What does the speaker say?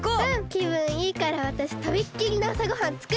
きぶんいいからわたしとびっきりのあさごはんつくってあげるね！